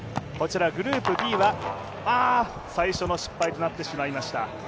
グループＢは最初の失敗となってしまいました。